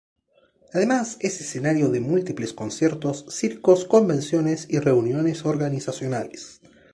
Además, es escenario de múltiples conciertos, circos, convenciones, y reuniones organizacionales.